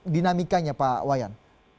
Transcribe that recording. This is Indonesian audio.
dinamikanya pak wayan